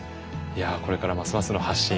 いやこれからますますの発信